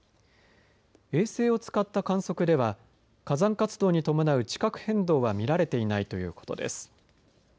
衛星を使った観測では火山活動に伴う地殻変動は見られていないということです。